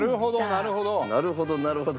「なるほどなるほど」